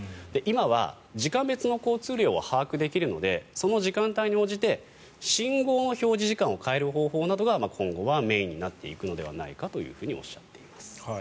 今は時間別の交通量を把握できるので時間帯に応じて信号の表示時間を変える方法などが今後はメインになっていくのではとおっしゃっています。